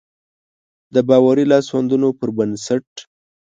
د باوري لاسوندونو پر بنسټ.